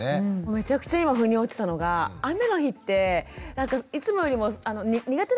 めちゃくちゃ今ふに落ちたのが雨の日っていつもよりも苦手なんですね